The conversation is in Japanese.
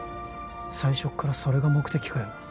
最初っからそれが目的かよ